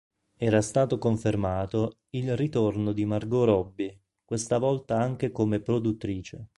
Era stato confermato il ritorno di Margot Robbie, questa volta anche come produttrice.